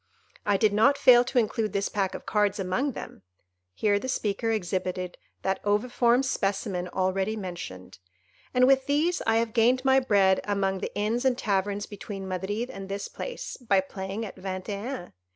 "I did not fail to include this pack of cards among them,"—here the speaker exhibited that oviform specimen already mentioned—"and with these I have gained my bread among the inns and taverns between Madrid and this place, by playing at Vingt et un.